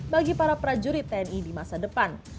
bagi para prajurit tni di masa depan